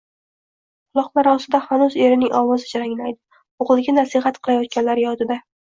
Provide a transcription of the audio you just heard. Quloqlari ostida hanuz erining ovozi jaranglaydi; o`g`liga nasihat qilayotganlari yodida